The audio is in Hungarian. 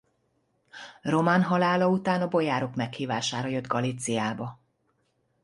Roman halála után a bojárok meghívására jött Galíciába.